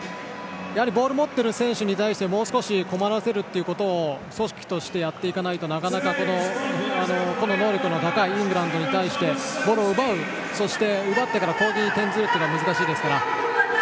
ボールを持っている選手に対してもう少し困らせることを組織としてやっていかないとなかなか個人の能力の高いイングランドに対してボールを奪うそして奪ってから攻撃に転じることは難しいですから。